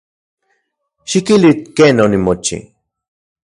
Xikilui ken onimochi.